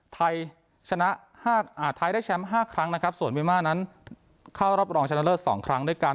ไทยชนะไทยได้แชมป์๕ครั้งนะครับส่วนเมียมานั้นเข้ารอบรองชนะเลิศ๒ครั้งด้วยกัน